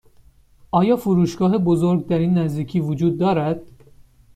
آیا فروشگاه بزرگ در این نزدیکی وجود دارد؟